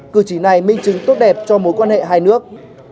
cư trí này minh chứng tốt đẹp cho mối quan hệ hai nước